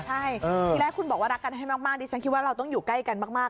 ใช่ทีแรกคุณบอกว่ารักกันให้มากดิฉันคิดว่าเราต้องอยู่ใกล้กันมาก